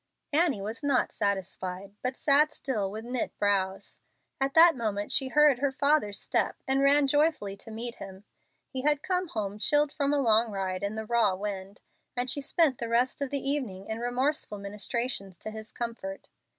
Annie was not satisfied, but sat still with knit brows. At that moment she heard her father's step and ran joyfully to meet him. He had come home chilled from a long ride in the raw wind, and she spent the rest of the evening in remorseful ministrations to his comfort.